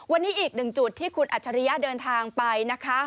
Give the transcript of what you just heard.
วันนี้อีกหนึ่งจุดที่คุณอัจฉริยะเดินทางไปนะคะ